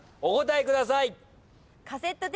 お答えください。